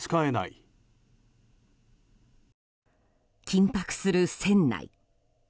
緊迫する船内。